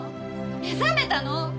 目覚めたの！